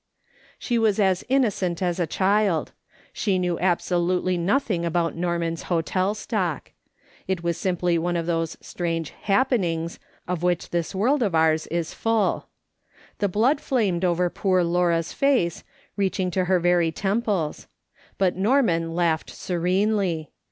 She was as innocent as a child. She knew abso lutely nothing about Norman's hotel stock. It was siniply one of those strange " happenings" of which "THEY UP AND CALLED HIM A FANATIC" 279 this world of ours is full. The blood flamed over poor Laura's face, reaching to her very temples ; but Norman laughed serenely.